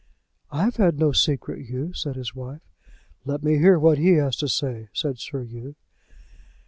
"I have had no secret, Hugh," said his wife. "Let me hear what he has to say," said Sir Hugh.